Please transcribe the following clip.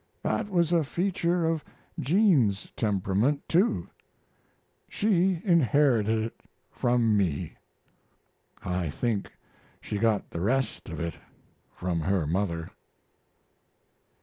That was a feature of Jean's temperament, too. She inherited it from me. I think she got the rest of it from her mother.